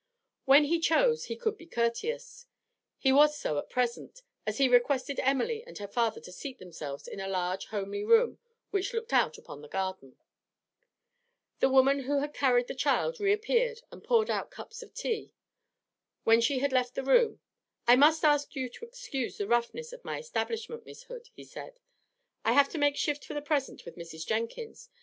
When he chose, he could be courteous; he was so at present, as he requested Emily and her father to seat themselves in a large homely room which looked out upon the garden. The woman who had carried the child reappeared and poured out cups of tea. When she had left the room 'I must ask you to excuse the roughness of my establishment, Miss Hood,' he said. 'I have to make shift for the resent with Mrs. Jenkins.